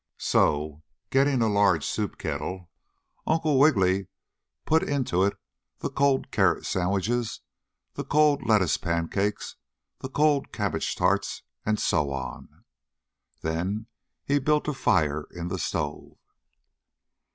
So, getting a large soup kettle, Uncle Wiggily put into it the cold carrot sandwiches, the cold lettuce pancakes, the cold cabbage tarts and so on. Then he built a fire in the stove.